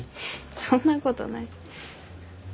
そんなごどない。